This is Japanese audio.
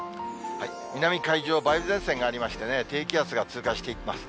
南海上、梅雨前線がありましてね、低気圧が通過していきます。